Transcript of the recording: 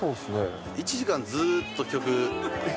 １時間ずっと曲。